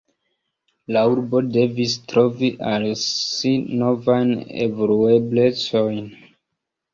La urbo devis trovi al si novajn evolueblecojn.